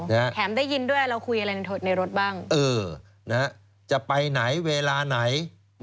แถมได้ยินด้วยเราคุยอะไรในรถบ้างเออนะฮะจะไปไหนเวลาไหน